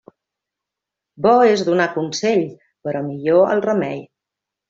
Bo és donar consell, però millor el remei.